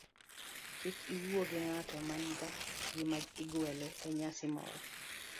Kik iwuo gi ng'ato mana ka gima igwele e nyasi moro.